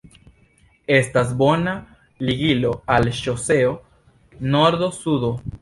Estas bona ligilo al ŝoseo nordo-sudo.